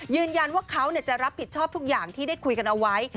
ยืนยันว่าเขาจะรับผิดชอบทุกอย่างที่ได้คุยกันเอาไว้